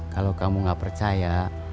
kalau kamu gak percaya